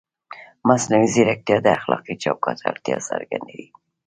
مصنوعي ځیرکتیا د اخلاقي چوکاټ اړتیا څرګندوي.